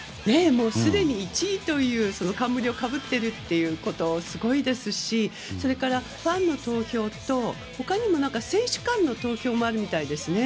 すでに１位という冠をかぶっていることがすごいですしそれから、ファンの投票と他にも選手間の投票もあるみたいですね。